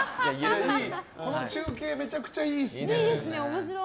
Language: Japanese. この中継めちゃくちゃいいですね。